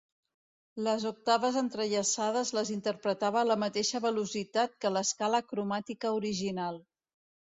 Les octaves entrellaçades les interpretava a la mateixa velocitat que l'escala cromàtica original.